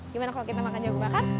gimana kalau kita makan jagung bakar